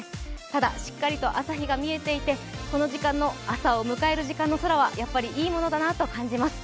ただしっかりと朝日が見えていて、この時間の朝を迎える空はやっぱりいいものだなと感じます。